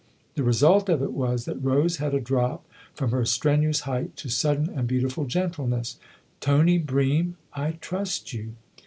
The result of it was that Rose had a drop from her strenuous height to sudden and beautiful gentleness. " Tony Bream, I trust you."